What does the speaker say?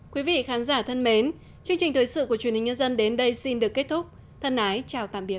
quý vị khán giả thân mến chương trình thời sự của truyền hình nhân dân đến đây xin được kết thúc thân ái chào tạm biệt